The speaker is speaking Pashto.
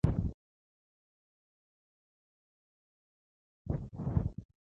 تاسي کولای شئ په خپلو خبرو کې له ملي جذبې کار واخلئ.